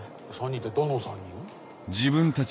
３人ってどの３人？